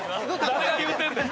誰が言うてんねん！